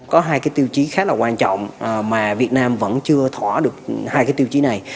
có hai cái tiêu chí khá là quan trọng mà việt nam vẫn chưa thỏa được hai cái tiêu chí này